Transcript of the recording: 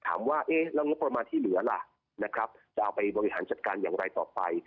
ถามว่าเราแล้วงบประมาณที่เหลือล่ะจะเอาไปบริหารจัดการอย่างไรต่อไป